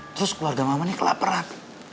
terus keluarga mama ini kelaparan